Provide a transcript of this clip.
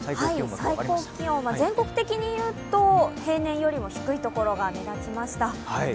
最高気温は全国的にいうと平年より低い所が目立ちました。